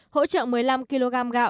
hỗ trợ một mươi năm kg gà